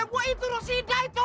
ngo idah ngo idah itu